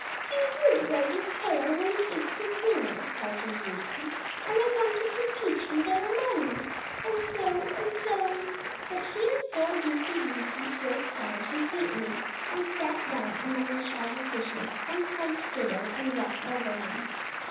"He would wag his tail while he ate his dinner," faltered Lucy, "and I wanted to teach him better manners; and so—and so—" But here poor Goosey Lucy broke down completely, and sat down among the shattered dishes, and hugged Fido and wept over him.